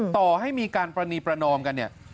ต่อให้มีการปรณีประนอมกันเนี่ย